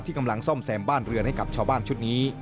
กำลังซ่อมแซมบ้านเรือนให้กับชาวบ้านชุดนี้